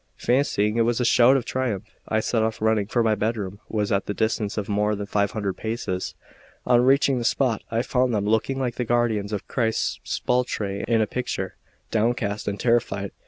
Fancying it was a shout of triumph, I set off running, for my bedroom was at the distance of more than five hundred paces. On reaching the spot, I found them looking like the guardians of Christ's sepulchre in a picture, downcast and terrified.